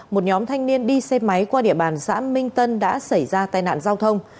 một nhóm thanh niên đi xe máy qua địa bàn xã minh tân đã xảy ra tai nạn giao thông